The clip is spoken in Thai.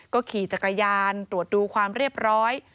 ก็ขี่จักรยานตรวจดูความเรียบร้อย